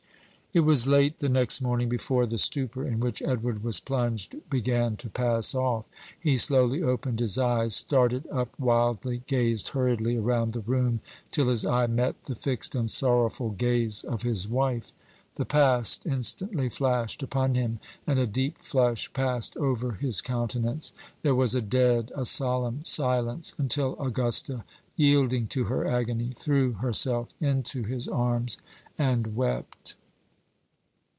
It was late the next morning before the stupor in which Edward was plunged began to pass off. He slowly opened his eyes, started up wildly, gazed hurriedly around the room, till his eye met the fixed and sorrowful gaze of his wife. The past instantly flashed upon him, and a deep flush passed over his countenance. There was a dead, a solemn silence, until Augusta, yielding to her agony, threw herself into his arms, and wept.